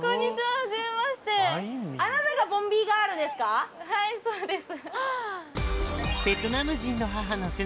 はいそうです。